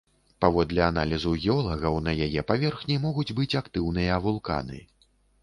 Паводле аналізу геолагаў, на яе паверхні могуць быць актыўныя вулканы.